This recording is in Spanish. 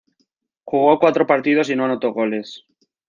Jugó cuatro partidos y no anotó goles.